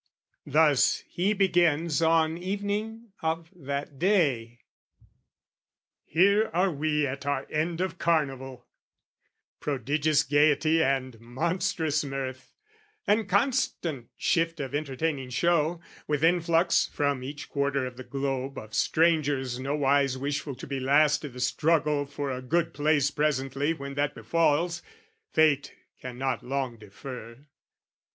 Thus he begins on evening of that day. "Here are we at our end of Carnival; "Prodigious gaiety and monstrous mirth, "And constant shift of entertaining show: "With influx, from each quarter of the globe, "Of strangers nowise wishful to be last "I' the struggle for a good place presently "When that befalls, fate cannot long defer.